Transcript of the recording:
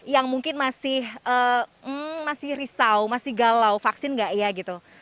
yang mungkin masih risau masih galau vaksin nggak ya gitu